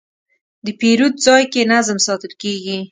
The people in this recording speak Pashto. د پیرود ځای کې نظم ساتل کېږي.